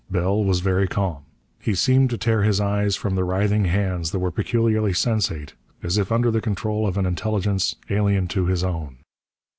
Bell was very calm. He seemed to tear his eyes from the writhing hands that were peculiarly sensate, as if under the control of in intelligence alien to his own.